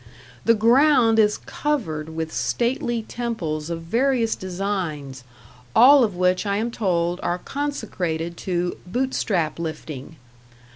The ground is covered with stately temples of various designs, all of which I am told are consecrated to Bootstrap lifting.